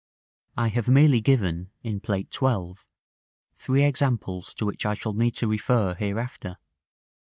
I have merely given, in Plate XII., three examples to which I shall need to refer, hereafter.